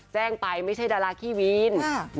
แจ้งไปไม่ใช่ดาราขี้วีน